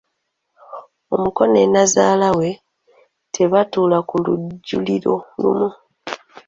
Omuko ne Nnyazaala we tebatuula ku lujjuliro lumu.